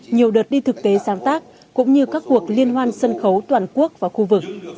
nhiều đợt đi thực tế sáng tác cũng như các cuộc liên hoan sân khấu toàn quốc và khu vực